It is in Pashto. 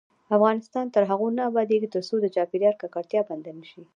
افغانستان تر هغو نه ابادیږي، ترڅو د چاپیریال ککړتیا بنده نشي.